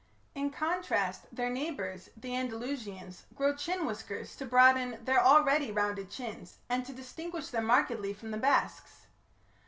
In contrast, their neighbours, the Andalusians, grow chin whiskers to broaden their already rounded chins, and to distinguish them markedly from the Basques.